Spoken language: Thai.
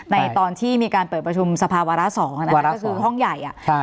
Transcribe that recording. ตอนที่มีการเปิดประชุมสภาวาระ๒นะคะก็คือห้องใหญ่